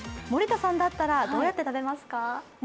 森田さんだったらどうやって食べますか？